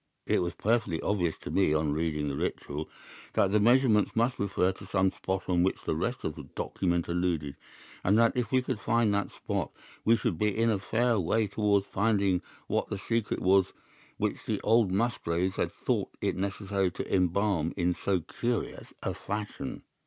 "It was perfectly obvious to me, on reading the Ritual, that the measurements must refer to some spot to which the rest of the document alluded, and that if we could find that spot, we should be in a fair way towards finding what the secret was which the old Musgraves had thought it necessary to embalm in so curious a fashion.